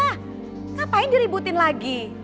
ngapain diributin lagi